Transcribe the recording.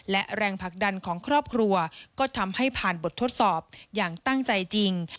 และแรงผลักดันของครอบครัวก็ทำให้ผ่านบททดสอบอย่างตั้งใจจริง